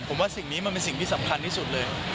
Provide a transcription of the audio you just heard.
ผมว่าสิ่งนี้มันเป็นสิ่งที่สำคัญที่สุดเลย